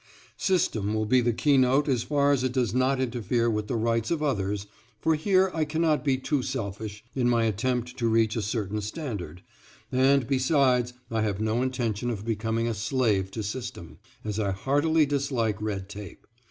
System will be the keynote as far as it does not interfere with the rights of others, for here I cannot be too selfish in my attempt to reach a certain standard, and besides I have no intention of becoming a slave to system, as I heartily dislike red tape.